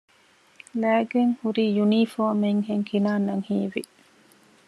ލައިގެންހުރީ ޔުނީފޯމެއްހެން ކިނާންއަށް ހީވި